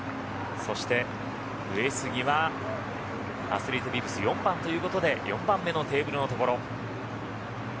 そして、上杉はアスリートビブス４番ということで４番目のテーブルのところ。